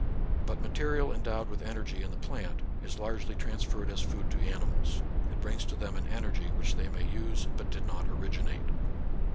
But material endowed with energy in the plant is largely transferred as food to animals. It brings to them an energy which they may use, but did not originate.